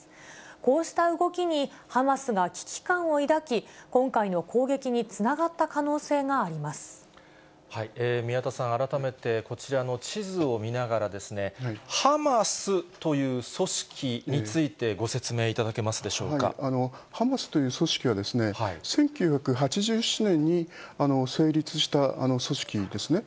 こうした動きにハマスが危機感を抱き、今回の攻撃につながった可宮田さん、改めてこちらの地図を見ながら、ハマスという組織について、ハマスという組織は、１９８７年に成立した組織ですね。